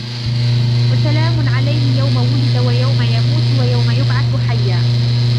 وسلام عليه يوم ولد ويوم يموت ويوم يبعث حيا